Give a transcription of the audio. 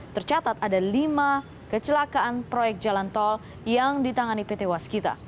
tercatat ada lima kecelakaan proyek jalan tol yang ditangani pt waskita